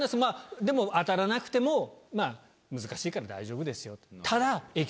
「でも当たらなくてもまぁ難しいから大丈夫ですよ」と。